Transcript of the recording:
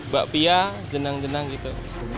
bakpia jenang jenang gitu